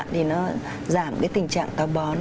thì nó giảm tình trạng tàu bón